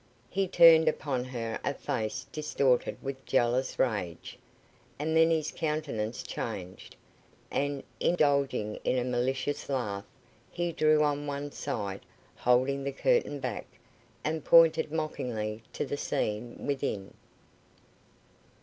He turned upon her a face distorted with jealous rage, and then his countenance changed, and, indulging in a malicious laugh, he drew on one side, holding the curtain back, and pointed mockingly to the scene within.